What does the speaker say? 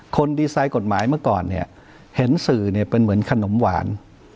คนดีไซน์กฎหมายเมื่อก่อนเนี่ยเห็นสื่อเนี่ยเป็นเหมือนขนมหวาน